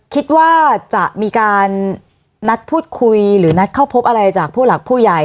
คิดว่าจะมีการนัดพูดคุยหรือนัดเข้าพบอะไรจากผู้หลักผู้ใหญ่